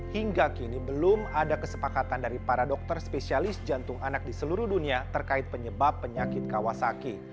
hingga kini belum ada kesepakatan dari para dokter spesialis jantung anak di seluruh dunia terkait penyebab penyakit kawasaki